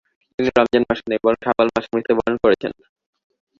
তিনি রমজান মাসে নয়, বরং শাওয়াল মাসে মৃত্যুবরণ করেছিলেন।